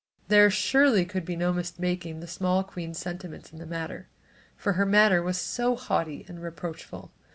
There surely could be no mistaking the small queen's sentiments in the matter, for her manner was so haughty and reproachful.